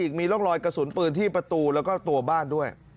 อีกมีร่องรอยกระสุนปืนที่ประตูแล้วก็ตัวบ้านด้วย